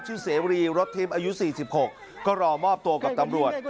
เสรีรถทิพย์อายุ๔๖ก็รอมอบตัวกับตำรวจ